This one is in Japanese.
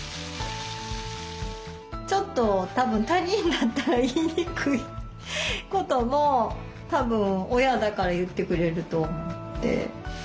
ちょっと他人だったら言いにくいこともたぶん親だから言ってくれると思って。